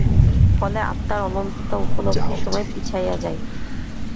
ফলে আত্মার অনন্ততা উপলব্ধির সময় পিছাইয়া যায়।